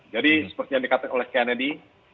jadi seperti yang dikatakan oleh kennedy